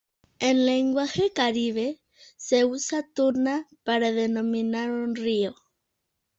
En lenguaje Caribe se usa "Tuna" para denominar un río.